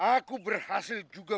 aku berhasil juga